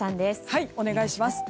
はい、お願いします。